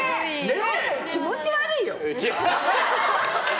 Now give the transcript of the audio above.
気持ち悪いよ。